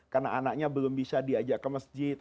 karena anaknya belum bisa diajak ke masjid